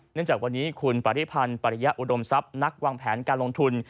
จากวันนี้คุณปริพันธ์ปริยะอุดมทรัพย์นักวางแผนการลงทุน